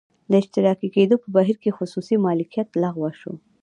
د اشتراکي کېدو په بهیر کې خصوصي مالکیت لغوه شو